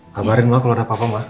kabarin mama kalau ada apa apa ma